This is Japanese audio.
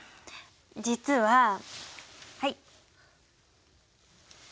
実ははい。